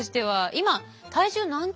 今？